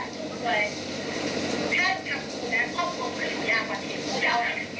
ถ้าข่าวที่นี่จะทำไอ้เกียร์หายคุณไม่โทษใครนอกจากมึง